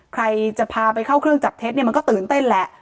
ใครจะพาไปเข้าเครื่องจับเท็จเนี่ยมันก็ตื่นเต้นแหละ